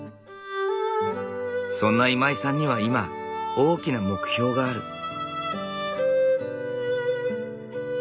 そんな今井さんには今大きな目標がある。